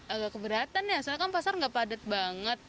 agak keberatan ya soalnya kan pasar nggak padat banget